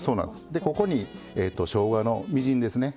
でここにしょうがのみじんですね。